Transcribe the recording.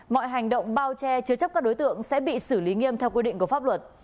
mọi hành động bao che chứa chấp các đối tượng sẽ bị xử lý nghiêm theo quy định của pháp luật